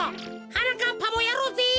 はなかっぱもやろうぜ。